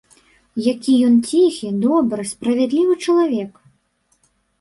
Які ён ціхі, добры, справядлівы чалавек!